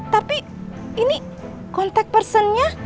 tapi ini kontak personnya